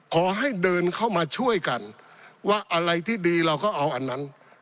ขอให้เดินเข้ามาช่วยกันว่าอะไรที่ดีเราก็เอาอันนั้น